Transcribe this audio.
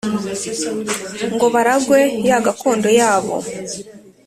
Ngo baragwe ya gakondo yabo.